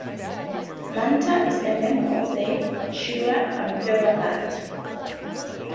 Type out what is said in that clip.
Manta is a member of the Shi'ar Imperial Guard.